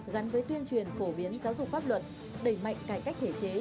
gắn với tuyên truyền phổ biến giáo dục pháp luật đẩy mạnh cải cách thể chế